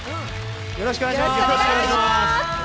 よろしくお願いします。